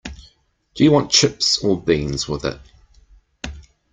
Do you want chips or beans with it?